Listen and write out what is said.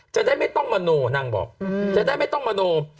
จะได้ไม่ต้องมโนนางบอกจะได้ไม่ต้องมโน